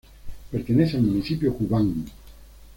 Pertenece al municipio Kubán.